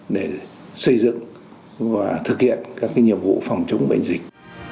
để xây dựng và thực hiện các nhiệm vụ phòng chống bệnh dịch